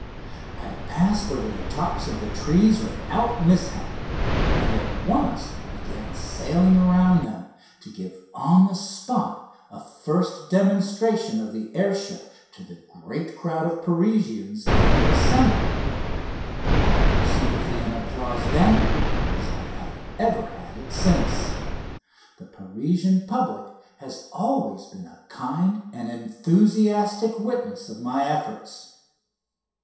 I passed over the tops of the trees without mishap, and at once began sailing around them, to give on the spot a first demonstration of the air ship to the great crowd of Parisians that had assembled. I had their sympathy and applause then, as I have ever had it since; the Parisian public has always been a kind and enthusiastic witness of my efforts.